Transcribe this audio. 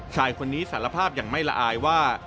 ชายคนนี้สารภาพอย่างไม่ละอายว่า